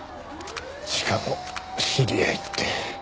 しかも知り合いって。